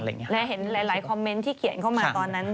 และเห็นหลายคอมเมนต์ที่เขียนเข้ามาตอนนั้น